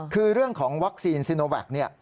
คือเรื่องของวัคซีนซีโนแวคเนี่ย